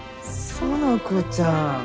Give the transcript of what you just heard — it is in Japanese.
園子ちゃん。